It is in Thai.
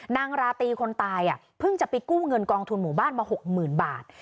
นางราตรีคนตายอ่ะเพิ่งจะไปกู้เงินกองทุนหมู่บ้านมาหกหมื่นบาท